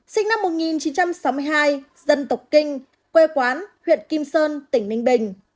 sinh năm một nghìn chín trăm sáu mươi hai dân tộc kinh quê quán huyện kim sơn tỉnh ninh bình